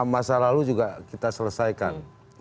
masa lalu juga kita selesaikan